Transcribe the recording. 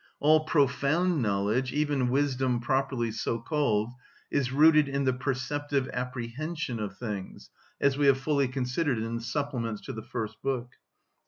All profound knowledge, even wisdom properly so called, is rooted in the perceptive apprehension of things, as we have fully considered in the supplements to the first book.